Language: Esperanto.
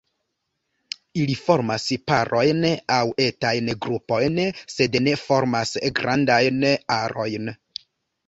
Ili formas parojn aŭ etajn grupojn, sed ne formas grandajn arojn.